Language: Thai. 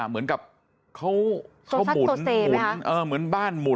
เหมือนหาที่ยึดอยู่